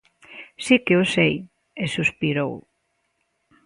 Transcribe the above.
_Si que o sei _e suspirou_.